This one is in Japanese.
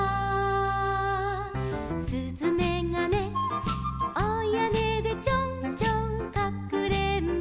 「すずめがねお屋根でちょんちょんかくれんぼ」